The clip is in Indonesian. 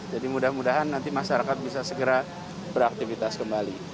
jadi mudah mudahan nanti masyarakat bisa segera beraktivitas kembali